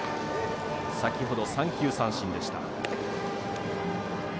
先ほど、三球三振でした。